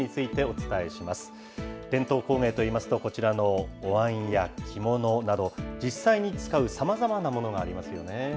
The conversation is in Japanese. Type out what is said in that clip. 伝統工芸といいますと、こちらのおわんや着物など、実際に使うさまざまなものがありますよね。